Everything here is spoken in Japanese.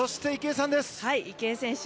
池江選手